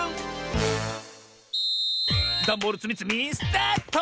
ダンボールつみつみスタート！